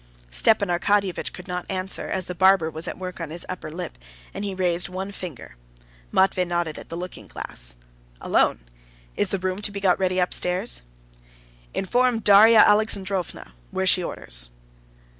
Stepan Arkadyevitch could not answer, as the barber was at work on his upper lip, and he raised one finger. Matvey nodded at the looking glass. "Alone. Is the room to be got ready upstairs?" "Inform Darya Alexandrovna: where she orders."